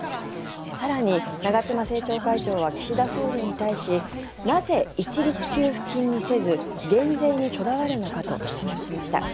更に、長妻政調会長は岸田総理に対しなぜ一律給付金にせず減税にこだわるのかと質問しました。